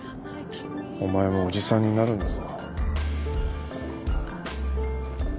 お前もおじさんになるんだぞ。